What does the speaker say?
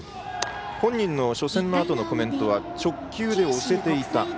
本人の初戦のあとのコメントは直球で押せていた。